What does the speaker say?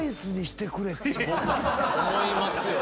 思いますよね。